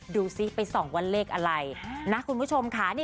ดูซิไปสองวันเล็กอะไร